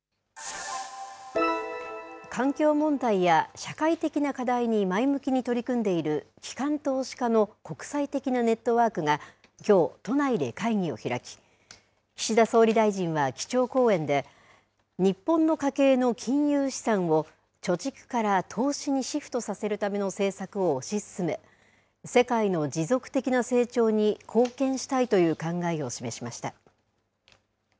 環境問題や社会的な課題に前向きに取り組んでいる機関投資家の国際的なネットワークがきょう、都内で会議を開き、岸田総理大臣は、基調講演で、日本の家計の金融資産を貯蓄から投資にシフトさせるための政策を推し進め、世界の持続的な成長に貢献したいという考えを示しました。